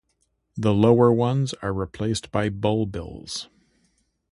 The lower ones are replaced by bulbils.